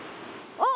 あっ。